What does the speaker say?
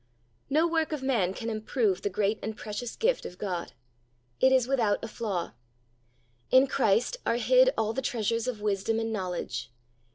No work of man can improve the great and precious gift of God. It is wdthout a flaw. In Christ are "hid all the treasures of wisdom and knowledge."